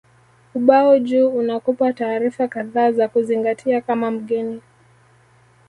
Ubao juu unakupa taarifa kadhaa za kuzingatia kama mgeni